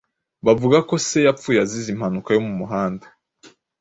Bavuga ko se yapfuye azize impanuka yo mu muhanda.